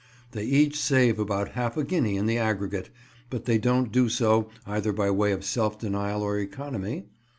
They each save about half a guinea in the aggregate, but they don't do so either by way of self denial or economy.